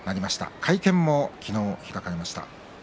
会見も昨日、開かれました。